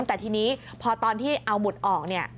แต่ทีนี้พอตอนที่เอาหมุดออกเนี่ย